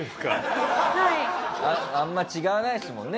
あんま違わないですもんね